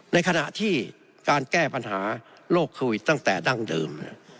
ในขณะที่การแก้ปัญหาโรคโควิดตั้งแต่ดั้งเดิม